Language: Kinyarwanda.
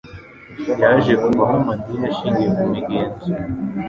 yaje kuvamo amadini ashingiye ku migenzo